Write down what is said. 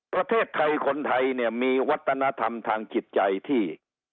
ประเทศไทยคนไทยเนี่ยมีวัฒนธรรมทางจิตใจที่